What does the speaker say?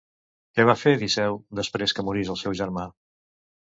Què va fer Diceu després que morís el seu germà?